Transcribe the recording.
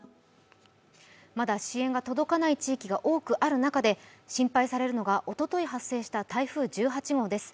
まだ支援が届かない地域が多くある中で心配されるのが、おととい発生した台風１８号です。